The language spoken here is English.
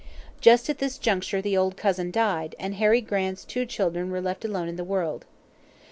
Just at this juncture the old cousin died, and Harry Grant's two children were left alone in the world.